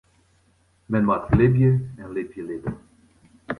Men moat libje en libje litte.